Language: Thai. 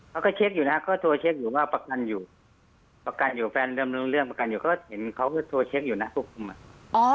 เขาก็เช็คอยู่นะก็โทรเช็คอยู่ว่าประกันอยู่ประกันอยู่แฟนเริ่มรู้เรื่องประกันอยู่ก็เห็นเขาก็โทรเช็คอยู่นะควบคุมอ่ะ